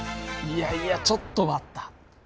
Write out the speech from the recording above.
いやいやちょっと待った。